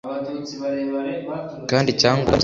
kandi icyangombwa ni ubuzima bwabo